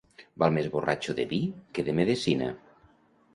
Val més borratxo de vi que de medecina.